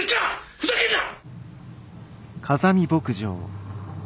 ふざけんな！